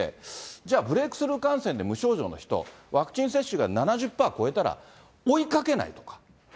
じゃあ、ブレークスルー感染で無症状の人、ワクチン接種が７０パー超えたら、追いかけないとか。